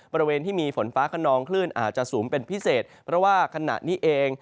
บริเวณที่มีฝนฟ้าขนองคลื่นอาจจะสูงเป็นพิเศษเพราะว่าขณะนี้เอง